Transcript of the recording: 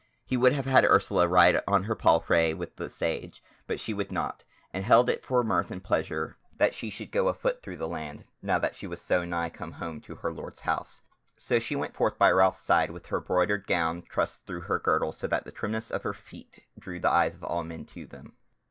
He would have had Ursula ride on her palfrey with the Sage, but she would not, and held it for mirth and pleasure that she should go afoot through the land, now she was so nigh come home to her lord's house; so she went forth by Ralph's side with her broidered gown trussed through her girdle so that the trimness of her feet drew the eyes of all men to them.